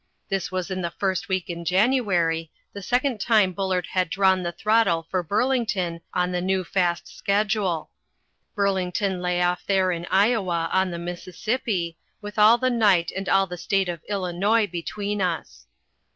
This was in the first week in January, the second time Bullard had drawn the throttle for Burlington on the new fast schedule. Burlington lay off there in Iowa, on the Mississippi, with all the night and all the State of Illinois between us.